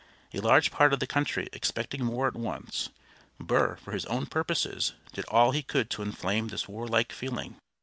A large part of the country expected war at once. Burr, for his own purposes, did all he could to inflame this warlike feeling.